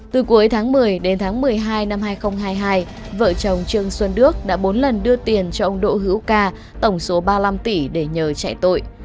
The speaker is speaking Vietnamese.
từ cuối tháng một mươi đến tháng một mươi hai năm hai nghìn hai mươi hai vợ chồng trương xuân đức đã bốn lần đưa tiền cho ông đỗ hữu ca tổng số ba mươi năm tỷ để nhờ chạy tội